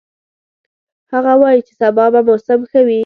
هغه وایي چې سبا به موسم ښه وي